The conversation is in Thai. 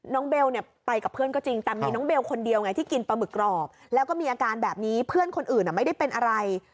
เบลเนี่ยไปกับเพื่อนก็จริงแต่มีน้องเบลคนเดียวไงที่กินปลาหมึกกรอบแล้วก็มีอาการแบบนี้เพื่อนคนอื่นไม่ได้เป็นอะไร